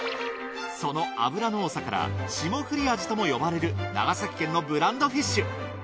その脂の多さから霜降りアジとも呼ばれる長崎県のブランドフィッシュ。